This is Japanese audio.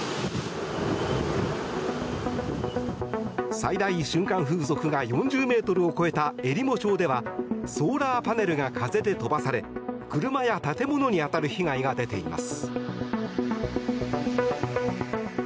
最大瞬間風速が４０ｍを超えたえりも町ではソーラーパネルが風で飛ばされ車や建物に当たる被害が出ています。